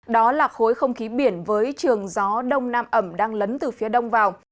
đó là khối không khí biển với trường gió đông nam ẩm đang lấn từ phía đông vào